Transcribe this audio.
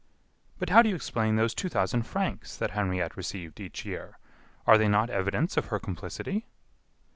"But how do you explain those two thousand francs that Henriette received each year? Are they not evidence of her complicity?"